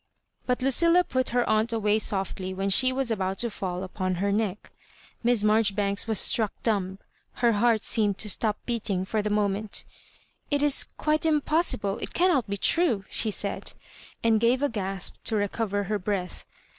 But Lucilla put her aunt away softly when she was about to &11 upon her neck. Miss Mar joribanks was struck dumb ; her heart seemed to stop beating for the moment " It is quite im<« possible — it cannot be true,'* she said, and gave a gasp to recover her breath.